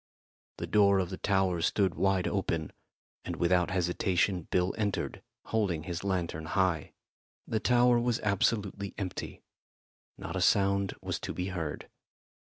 The door of the tower stood wide open, and without hesitation Bill entered, holding his lantern high. The tower was absolutely empty. Not a sound was to be heard.